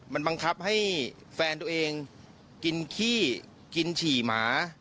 มันบังคับให้แฟนตัวเองกินขี้กินฉี่หมา